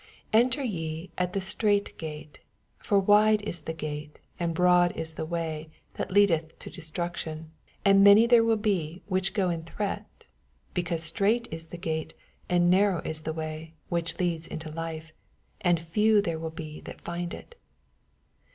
18 Enter ve m at the strait gate : for wide is the gate, and broad m the Way that Icadetn to destruction, and many there be which go in thereat: 14 Because strait it the gate, and nai^w is the way. which leadeth unto life, and few tnere be that find it.